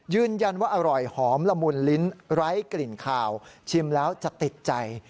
ยืนยันว่าอร่อยหอมละมุนลิ้นไร้กลิ่นขาวชิมแล้วจะติดใจ